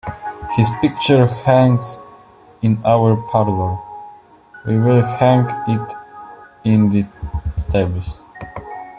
His picture hangs in our parlor, we will hang it in the stables.